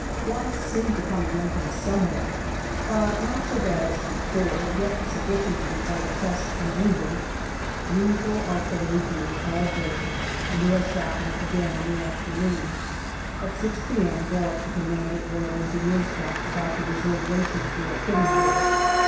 Flies seem to come again from somewhere, but not so bad as before, yet sufficient to be called a pest in England. Usual artillery duels all day, and we are shrapnelled again in the afternoon. At 6 p.m. go up to C.R.E. dump about the reserve rations we are putting there.